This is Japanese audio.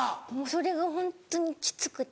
それがホントにきつくて。